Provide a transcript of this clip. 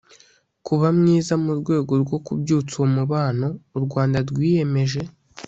kuba mwiza mu rwego rwo kubyutsa uwo mubano u rwanda rwiyemeje